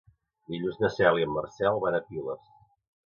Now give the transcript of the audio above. Dilluns na Cel i en Marcel van a Piles.